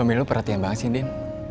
suami lo perhatian banget sih din